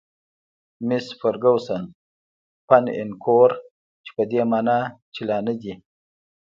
میس فرګوسن: 'pan encore' چې په دې مانا چې لا نه دي.